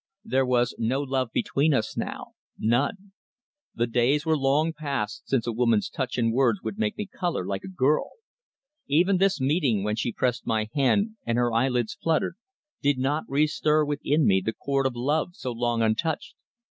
There was no love between us now. None. The days were long past since a woman's touch and words would make me colour like a girl. Even this meeting when she pressed my hand and her eyelids fluttered, did not re stir within me the chord of love so long untouched.